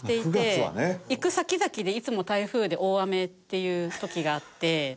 行く先々でいつも台風で大雨っていう時があって。